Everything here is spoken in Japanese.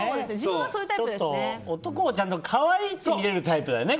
男をちゃんと可愛いって見れるタイプだよね。